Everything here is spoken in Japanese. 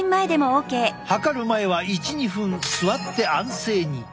測る前は１２分座って安静に。